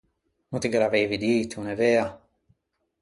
No ti ghe l’aveivi dito, n’é vea?